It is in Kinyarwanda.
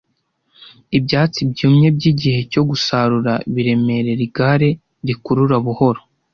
Ibyatsi byumye byigihe cyo gusarura biremerera igare rikurura buhoro,